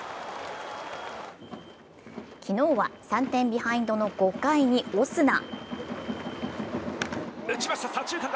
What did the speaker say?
昨日は３点ビハインドの５回にオスナ。